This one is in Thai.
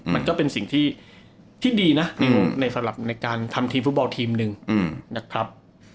มันก็เป็นสิ่งที่ดีนะในสำหรับในการทำทีมฟุตบอลทีมหนึ่งนะครับ